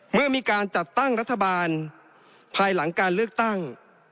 เมื่อมีการจัดตั้งรัฐบาลภายหลังการเลือกตั้ง